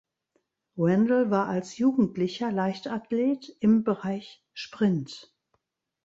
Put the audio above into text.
Randall war als Jugendlicher Leichtathlet im Bereich Sprint.